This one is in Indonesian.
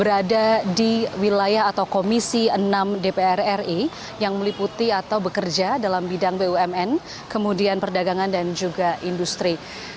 berada di wilayah atau komisi enam dpr ri yang meliputi atau bekerja dalam bidang bumn kemudian perdagangan dan juga industri